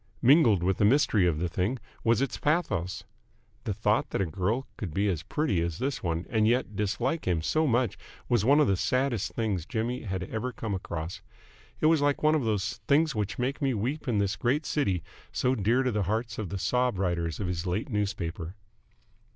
Mingled with the mystery of the thing was its pathos. The thought that a girl could be as pretty as this one and yet dislike him so much was one of the saddest things Jimmy had ever come across. It was like one of those Things Which Make Me Weep In This Great City so dear to the hearts of the sob writers of his late newspaper.